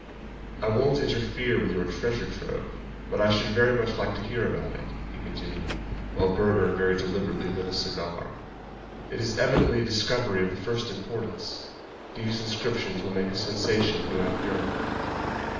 "I won't interfere with your treasure trove, but I should very much like to hear about it," he continued, while Burger very deliberately lit a cigar. "It is evidently a discovery of the first importance. These inscriptions will make a sensation throughout Europe."